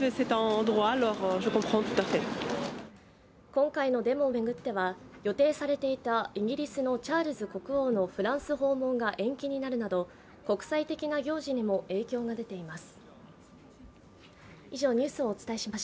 今回のデモを巡っては、予定されていたイギリスのチャールズ国王のフランス訪問が延期になるなど国際的な行事にも影響が出ています。